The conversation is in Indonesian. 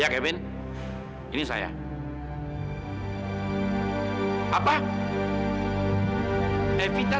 sekarang lu ngomong kayak begitu